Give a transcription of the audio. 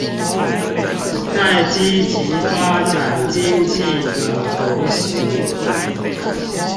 在積極發展經濟的同時